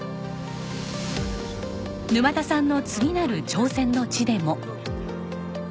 沼田さんの次なる挑戦の地でも。